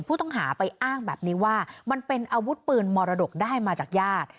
ผู้ต้องหาไปอ้างแบบนี้ว่ามันเป็นอาวุธปืนมรดกได้มาจากญาติ